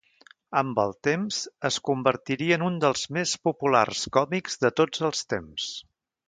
Amb el temps es convertiria en un dels més populars còmics de tots els temps.